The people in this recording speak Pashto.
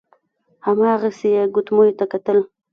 هماغسې يې ګوتميو ته کتل.